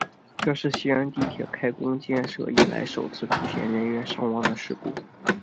这是西安地铁开工建设以来首次出现人员伤亡的事故。